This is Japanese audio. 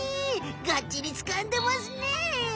がっちりつかんでますね！